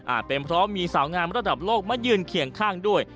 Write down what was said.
เป็นเพราะมีสาวงามระดับโลกมายืนเคียงข้างด้วย